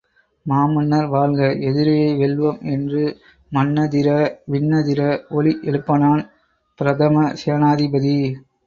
மாமன்னர் வாழ்க!... எதிரியை வெல்வோம்! என்று மண்ணதிர, விண்ணதிர ஒலி எழுப்பனான் பிரதமசேனாதிபதி.